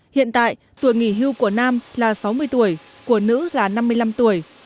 hiện tại tuổi nghỉ hưu của nam là sáu mươi tuổi của nữ là năm mươi năm tuổi